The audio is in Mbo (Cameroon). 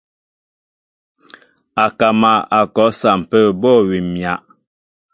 Akama a kɔ a sampə bô awim myǎ.